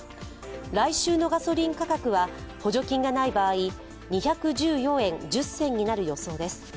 来週のガソリン価格は補助金がない場合、２１４円１０銭になる予想です。